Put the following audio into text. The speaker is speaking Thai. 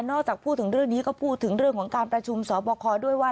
จากพูดถึงเรื่องนี้ก็พูดถึงเรื่องของการประชุมสอบคอด้วยว่า